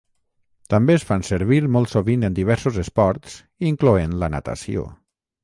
També es fan servir molt sovint en diversos esports incloent la natació.